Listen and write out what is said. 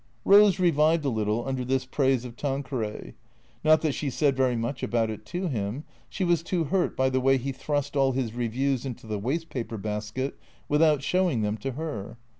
Eoso revived a little under this praise of Tanqueray. Not that she said very much about it to him. She was too hurt by the way he thrust all his reviews into the waste paper basket, without showing them to her.